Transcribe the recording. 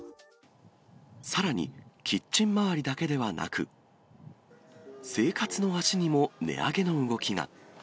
さらに、キッチン周りだけではなく、生活の足にも値上げの動きが。